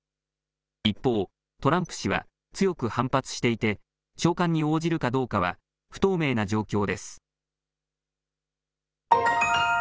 一方、トランプ氏は強く反発していて召喚に応じるかどうかは不透明な状況です。